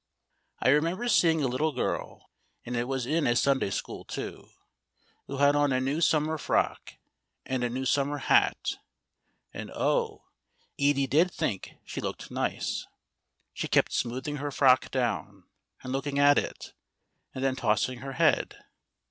I remember seeing a little girl, and it was in a Sunday School too, who had on a new summer frock and a new summer hat; and oh! Edie did think she looked nice. She kept smoothing her frock down and looking at it, and then tossing her head.